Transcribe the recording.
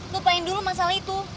lupain dulu masalah itu